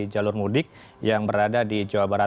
jalur mudik yang berada di jawa barat